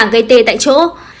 bốn gây tê tại chỗ